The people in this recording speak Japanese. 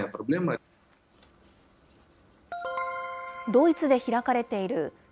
ドイツで開かれているＧ７